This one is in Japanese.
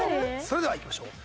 それではいきましょう。